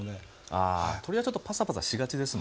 ああ鶏はちょっとパサパサしがちですもんね。